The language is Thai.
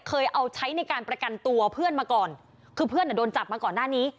เคยเอาใช้ในการประกันตัวเพื่อนมาก่อนคือเพื่อนอ่ะโดนจับมาก่อนหน้านี้